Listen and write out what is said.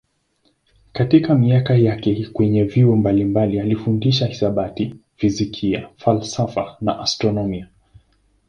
Katika miaka yake kwenye vyuo mbalimbali alifundisha hisabati, fizikia, falsafa na astronomia.